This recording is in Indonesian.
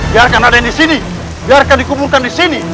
biarkan raden disini biarkan dikuburkan disini